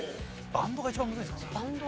バンドが一番むずいですかね？